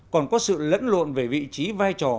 còn có sự lẫn lộn về vị trí vai trò